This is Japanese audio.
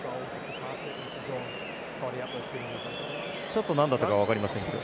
ちょっとなんだったかは分かりませんけど。